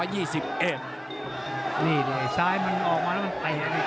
นี่ไงสายมันออกมาแล้วมันใต่